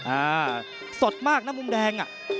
อ่าสดมากนะมุมแดงอ่ะ